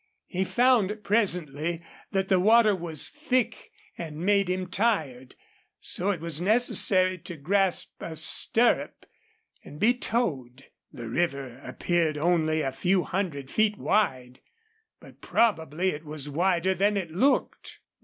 He found, presently, that the water was thick and made him tired, so it was necessary to grasp a stirrup and be towed. The river appeared only a few hundred feet wide, but probably it was wider than it looked.